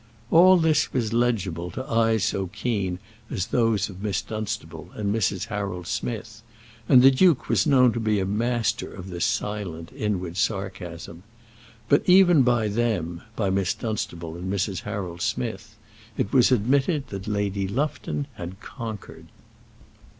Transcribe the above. All this was legible to eyes so keen as those of Miss Dunstable and Mrs. Harold Smith, and the duke was known to be a master of this silent inward sarcasm; but even by them, by Miss Dunstable and Mrs. Harold Smith, it was admitted that Lady Lufton had conquered.